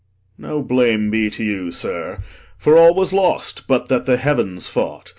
No blame be to you, sir, for all was lost, But that the heavens fought.